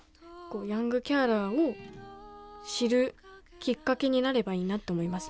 ヤングケアラーを知るきっかけになればいいなって思います